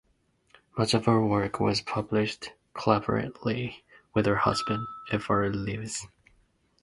Much of her work was published collaboratively with her husband, F. R. Leavis.